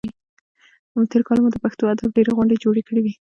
تېر کال موږ د پښتو ادب ډېرې غونډې جوړې کړې وې.